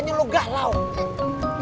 nyou ini gimana sih sekarang